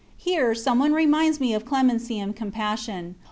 Here some one reminds me of clemency and compassion.